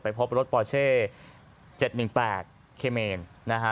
ไปพบรถปอลเช่เจ็ดหนึ่งแปดเคเมนนะฮะ